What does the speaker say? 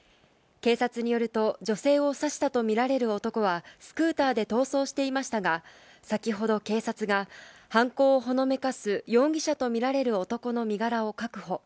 警察によると女性を刺したとみられる男はスクーターで逃走していましたが、先程、警察が犯行をほのめかす容疑者とみられる男の身柄を確保。